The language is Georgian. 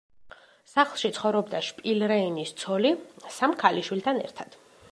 სახლში ცხოვრობდა შპილრეინის ცოლი სამ ქალიშვილთან ერთად.